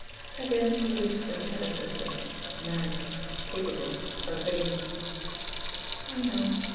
Again he wished that he had a sister, married, capable, urbane. "I know.